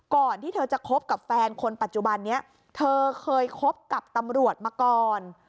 ก่อนที่เธอจะคบกับแฟนคนปัจจุบันนี้เธอเคยคบกับตำรวจมาก่อน